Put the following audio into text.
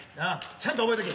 ちゃんと覚えとけ。